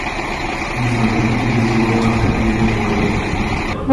Infanterie-Division abgegeben wurden.